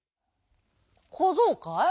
「こぞうかい？